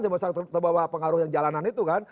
jangan bawa bawa pengaruh yang jalanan itu kan